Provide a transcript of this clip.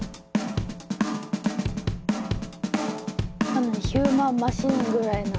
かなりヒューマンマシーンぐらいな。